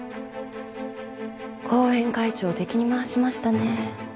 後援会長を敵に回しましたね。